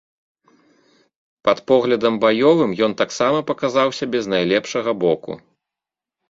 Пад поглядам баёвым ён таксама паказаў сябе з найлепшага боку.